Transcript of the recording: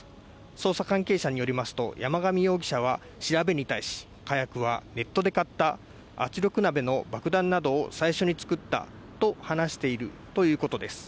捜査関係者によりますと山上容疑者は調べに対し火薬はネットで買った圧力鍋の爆弾などを最初に作ったと話しているということです